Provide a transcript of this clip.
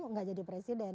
enggak jadi presiden